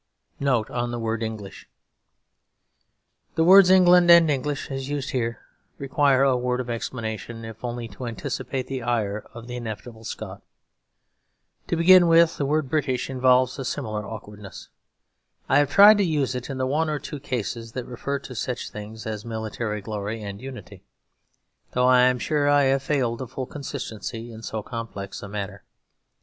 NOTE ON THE WORD "ENGLISH" _The words "England" and "English" as used here require a word of explanation, if only to anticipate the ire of the inevitable Scot. To begin with, the word "British" involves a similar awkwardness. I have tried to use it in the one or two cases that referred to such things as military glory and unity: though I am sure I have failed of full consistency in so complex a matter.